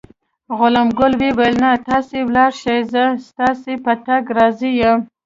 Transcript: غلام ګل وویل: نه، تاسې ولاړ شئ، زه ستاسي په تګ راضي یم.